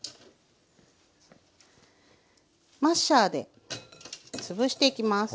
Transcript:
マッシャーでつぶしていきます。